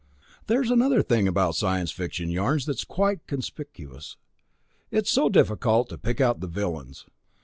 There's another thing about science fiction yarns that is quite conspicuous; it's so difficult to pick out the villains.